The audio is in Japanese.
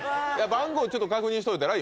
番号ちょっと確認しておいたら？